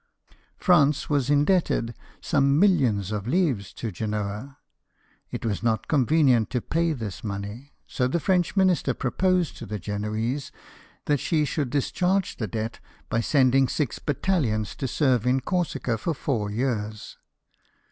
France was indebted some millions of livres to Genoa : it was not convenient to pay this money; so the French Minister proposed to the Genoese that she should discharge the debt by sending six battalions to serve in Corsica for four years.